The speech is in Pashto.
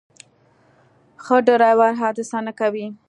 ښه ډرایور حادثه نه کوي.